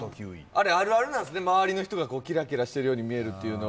あれ、あるあるなんですね、周りの人がキラキラして見えるのは。